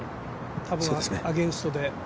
風はアゲンストで。